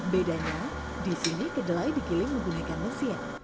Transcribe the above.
bedanya di sini kedelai digiling menggunakan mesin